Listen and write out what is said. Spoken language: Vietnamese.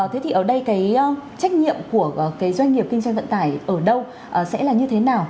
thế thì ở đây cái trách nhiệm của cái doanh nghiệp kinh doanh vận tải ở đâu sẽ là như thế nào